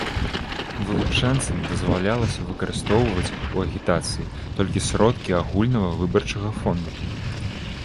Вылучэнцам дазвалялася выкарыстоўваць у агітацыі толькі сродкі агульнага выбарчага фонду.